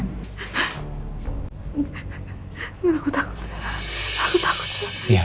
aku takut pak aku takut pak